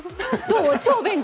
どう？